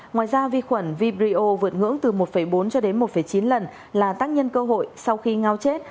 ngoài ra vi khuẩn vibrio vượt ngưỡng từ một bốn cho đến một chín lần là tác nhân cơ hội sau khi ngao chết